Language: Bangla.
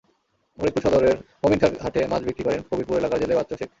ফরিদপুর সদরের মমিনখাঁর হাটে মাছ বিক্রি করেন কবিরপুর এলাকার জেলে বাচ্চু শেখ।